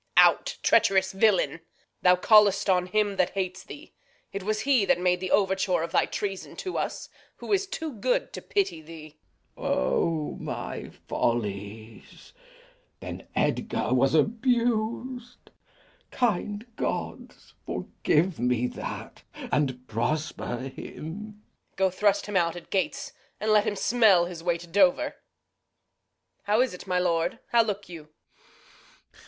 Reg. Out, treacherous villain! Thou call'st on him that hates thee. It was he That made the overture of thy treasons to us; Who is too good to pity thee. Glou. O my follies! Then Edgar was abus'd. Kind gods, forgive me that, and prosper him! Reg. Go thrust him out at gates, and let him smell His way to Dover. Exit [one] with Gloucester. How is't, my lord? How look you?